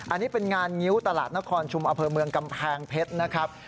อันนี้เป็นงานงิ้วตลาดนครชุมอำเภอเมืองกำแพงเพชรนะครับ